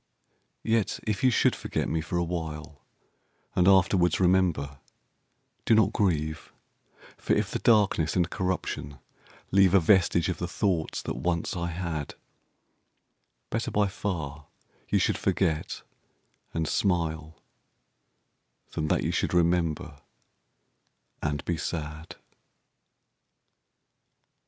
Yet if you should forget me for a while And afterwards remember, do not grieve: For if the darkness and corruption leave A vestige of the thoughts that once I had, Better by far you should forget and smile Than that you should remember and be sad.